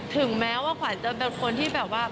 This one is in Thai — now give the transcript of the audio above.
ถึงแม้ว่าขวัญจะเป็นคนที่แบบว่า